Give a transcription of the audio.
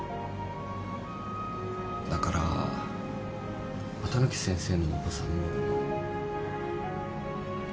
だから綿貫先生のお子さんも。